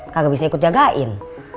gak bisa ikut jagain